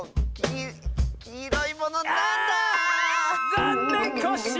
ざんねんコッシー！